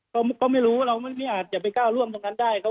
ก็ก็ไม่รู้เราไม่อาจจะไปก้ามร่วมพวกมันทั้งนั้นได้ครับ